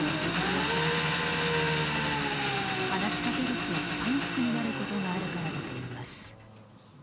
話しかけるとパニックになることがあるからだといいます。